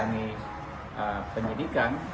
dan mengalami penyidikan